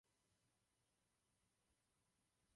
Stavba prošla řadou poškození a oprav.